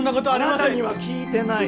あなたには聞いてない。